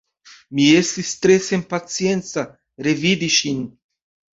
Mi estis tre senpacienca revidi ŝin.